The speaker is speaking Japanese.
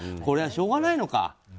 これは、しょうがないのか。